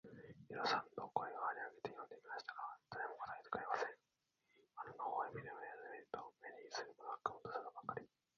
二三度声を張り上げて呼んでみましたが、誰も答えてくれません。窓の方へ目をやって見ると、目にうつるものは雲と空ばかり、